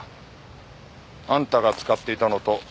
あんたが使っていたのと同じものだ。